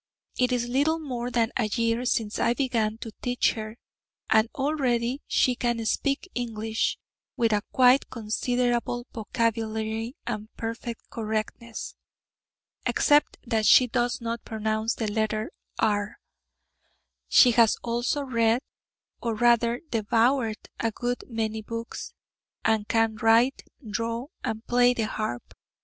It is little more than a year since I began to teach her, and already she can speak English with a quite considerable vocabulary, and perfect correctness (except that she does not pronounce the letter 'r'); she has also read, or rather devoured, a good many books; and can write, draw, and play the harp.